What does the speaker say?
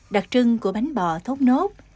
đặc trưng của bánh bò thốt nốt